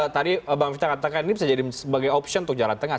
tadi bang vita katakan ini bisa jadi sebagai opsi untuk jalan tengah